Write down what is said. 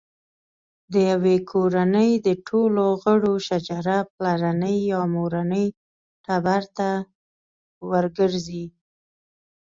د یوې کورنۍ د ټولو غړو شجره پلرني یا مورني ټبر ته ورګرځي.